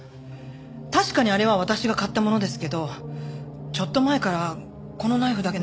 確かにあれは私が買ったものですけどちょっと前からこのナイフだけなくなってるんです。